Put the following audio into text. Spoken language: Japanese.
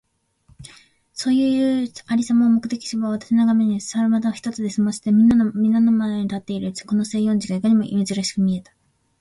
そういう有様を目撃したばかりの私の眼めには、猿股一つで済まして皆みんなの前に立っているこの西洋人がいかにも珍しく見えた。